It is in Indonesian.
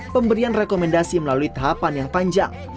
pemberian rekomendasi melalui tahapan yang panjang